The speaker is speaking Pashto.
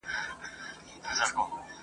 نن هم د نړۍ په لويو لويو ښارونو کي